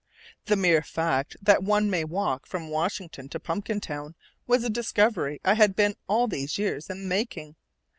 The mere fact that one may walk from Washington to Pumpkintown was a discovery I had been all these years in making.